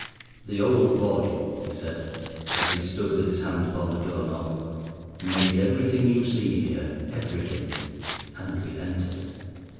"The old boy," he said, as he stood with his hand upon the door knob, "made everything you see here, everything," and we entered.